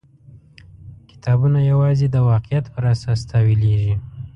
کتابونه یوازې د واقعیت پر اساس تاویلېږي.